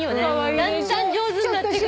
だんだん上手になってくる。